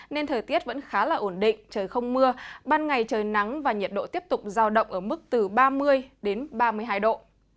nên thời tiết vẫn khá là ổn định trời không mưa ban ngày trời nắng và nhiệt độ tiếp tục giao động ở mức từ ba mươi đến ba mươi hai độ